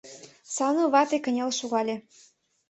— Сану вате кынел шогале.